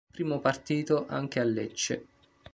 Primo partito anche a Lecce.